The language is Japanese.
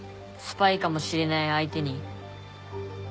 スパイかもしれない相手に？